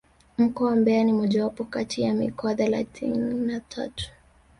Mkoa wa mbeya ni mojawapo kati ya mikoa thelathini na tatu